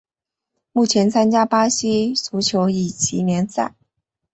目前参加巴西足球乙级联赛。